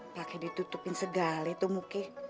pakai ditutupin segalanya tuh muki